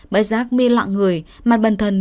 bởi giác my lặng người mặt bần thần lùi